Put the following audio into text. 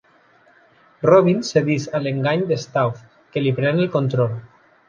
Robin cedeix a l'engany de Stauf, que li pren el control.